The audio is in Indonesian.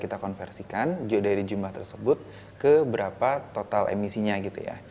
kita konversikan dari jumlah tersebut ke berapa total emisinya gitu ya